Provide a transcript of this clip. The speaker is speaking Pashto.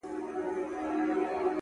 اوښکي ساتمه ستا راتلو ته تر هغې پوري ـ